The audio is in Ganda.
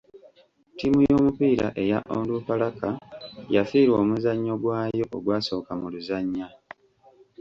Ttiimu y'omupiira eya Onduparaka yafiirwa omuzannyo gwayo ogwasooka mu luzannya.